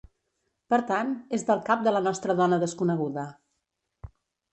Per tant, és del cap de la nostra dona desconeguda.